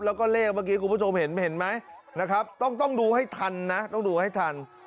แล้วก็เลขเมื่อกี้คุณผู้ชมเห็นไหมนะครับต้องดูให้ทันนะต้องดูให้ทัน